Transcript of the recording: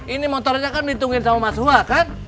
ini motornya kan ditungguin sama mas hua kan